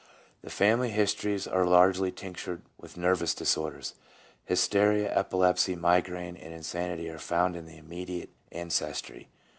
The family histories are largely tinctured with nervous disorders. Hysteria, epilepsy, migraine, and insanity are found in the immediate ancestry.